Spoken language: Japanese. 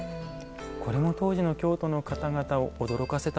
これも当時の京都の方々を驚かせたんでしょうか？